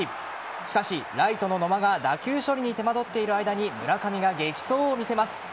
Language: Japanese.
しかし、ライトの野間が打球処理に手間取っている間に村上が激走を見せます。